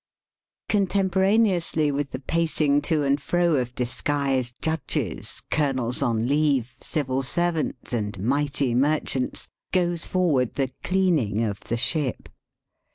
Contemporaneously with the pacing to and fro of disguised judges, colonels on leave, civil servants, and mighty merchants, goes forward the cleaning of the ship.